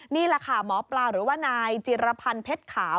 นี่แหละค่ะหมอปลาหรือว่านายจิรพันธ์เพชรขาว